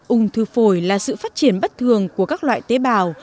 ung thư phổi là sự phát triển bất thường của các loại tế bào